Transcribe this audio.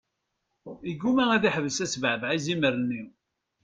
Iguma ad iḥbes asbeɛbeɛ yizimer-nni.